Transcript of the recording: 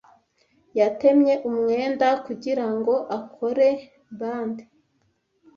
Yatemye umwenda kugirango akore bande.